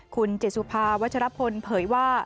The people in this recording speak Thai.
คุณเจสุภาวัชรพลเผยว่า